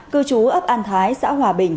cư trú ấp an thái xã hòa bình